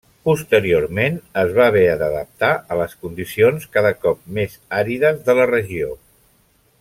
Posteriorment, es va haver d'adaptar a les condicions cada cop més àrides de la regió.